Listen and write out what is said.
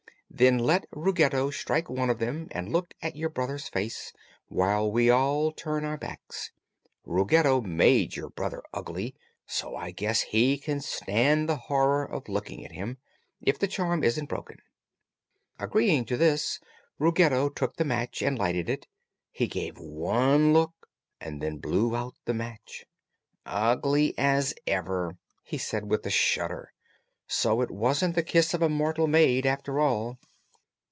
"Then let Ruggedo strike one of them and look at your brother's face, while we all turn our backs. Ruggedo made your brother ugly, so I guess he can stand the horror of looking at him, if the charm isn't broken." Agreeing to this, Ruggedo took the match and lighted it. He gave one look and then blew out the match. "Ugly as ever!" he said with a shudder. "So it wasn't the kiss of a Mortal Maid, after all."